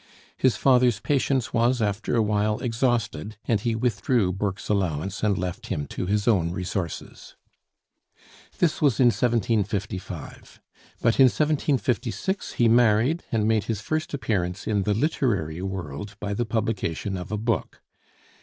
His father's patience was after a while exhausted, and he withdrew Burke's allowance and left him to his own resources. This was in 1755, but in 1756 he married, and made his first appearance in the literary world by the publication of a book.